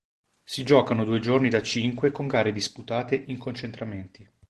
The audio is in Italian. Si giocano due gironi da cinque con gare disputate in concentramenti.